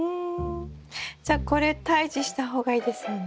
じゃあこれ退治した方がいいですよね？